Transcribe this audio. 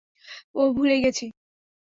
ওহ, ভুলেই গেছি।